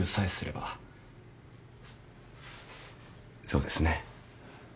そうですね。